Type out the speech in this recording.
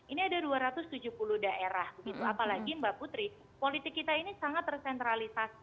ini ada dua ratus tujuh puluh daerah apalagi mbak putri politik kita ini sangat tersentralisasi